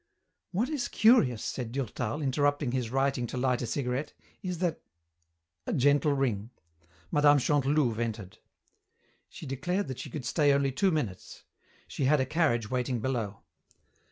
"What is curious," said Durtal, interrupting his writing to light a cigarette, "is that " A gentle ring. Mme. Chantelouve entered. She declared that she could stay only two minutes. She had a carriage waiting below.